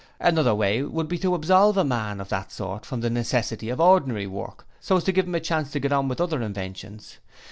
Another way would be to absolve a man of that sort from the necessity of ordinary work, so as to give him a chance to get on with other inventions.